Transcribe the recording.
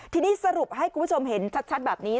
ทีนี้สรุปให้คุณผู้ชมเห็นชัดแบบนี้